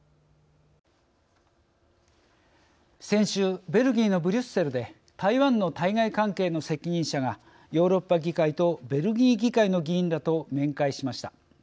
先週ベルギーのブリュッセルで台湾の対外関係の責任者がヨーロッパ議会とベルギー議会の議員らと面会しました。